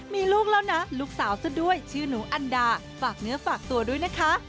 มีลูกแล้วนะลูกสาวซะด้วยชื่อหนูอันดาฝากเนื้อฝากตัวด้วยนะคะ